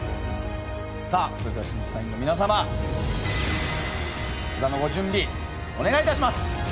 さあそれでは審査員の皆様札のご準備お願いいたします。